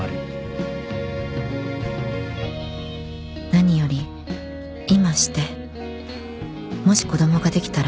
何より今してもし子供ができたら